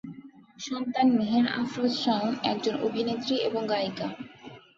সন্তান মেহের আফরোজ শাওন একজন অভিনেত্রী এবং গায়িকা।